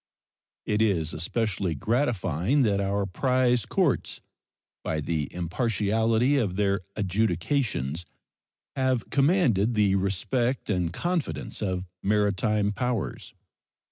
It is especially gratifying that our prize courts, by the impartiality of their adjudications, have commanded the respect and confidence of maritime powers.